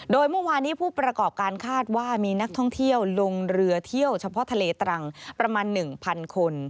โดยเมื่อวานี้ผู้ประกอบการคาดว่ามีนักท่องเที่ยวลงเรือเที่ยวเฉพาะทะเลตรังประมาณ๑๐๐คน